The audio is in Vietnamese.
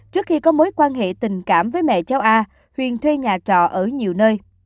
trước khi có mối quan hệ tình cảm với mẹ cháu a huyền thuê nhà trọ ở nhiều nơi